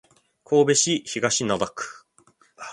神戸市東灘区